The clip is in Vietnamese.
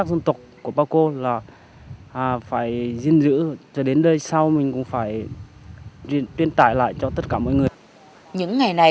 đến khu di tích đền hùng